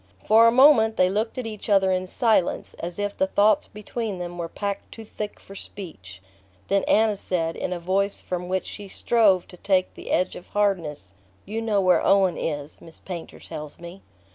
For a moment they looked at each other in silence, as if the thoughts between them were packed too thick for speech; then Anna said, in a voice from which she strove to take the edge of hardness: "You know where Owen is, Miss Painter tells me."